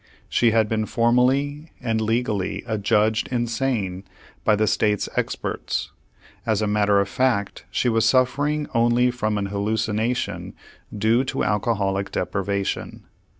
She had been formally and legally adjudged insane by the State's experts. As a matter of fact, she was suffering only from an hallucination due to alcoholic deprivation.